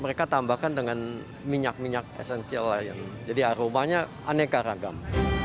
mereka tambahkan dengan minyak minyak esensial lain jadi aromanya aneka ragam